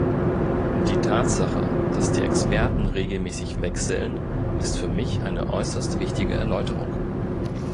Die Tatsache, dass die Experten regelmäßig wechseln, ist für mich eine äußerst wichtige Erläuterung.